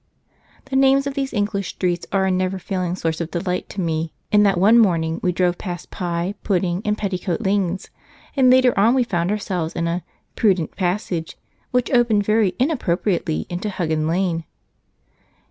The names of these English streets are a never failing source of delight to me. In that one morning we drove past Pie, Pudding, and Petticoat Lanes, and later on we found ourselves in a 'Prudent Passage,' which opened, very inappropriately, into 'Huggin Lane.'